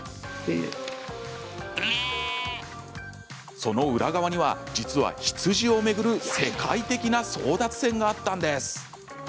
その裏側には、実は羊を巡る世界的な争奪戦があったんです。